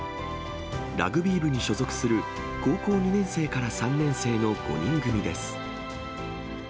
ラグビー部に所属する高校２年生から３年生の５人組です。